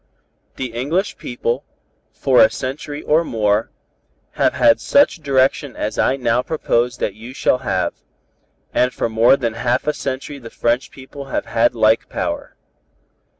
"The English people, for a century or more, have had such direction as I now propose that you shall have, and for more than half a century the French people have had like power.